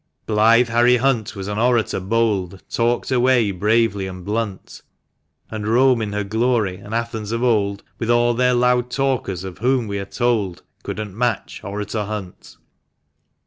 i. Blithe Harry Hunt was an orator bold — Talked away bravely and blunt ; And Rome in her glory, and Athens of old, With all their loud talkers, of whom we are told, Couldn't match Orator Hunt